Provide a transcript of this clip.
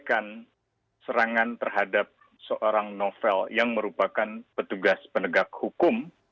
bahwa negara menyepelekan serangan terhadap seorang novel yang merupakan petugas penegak hukum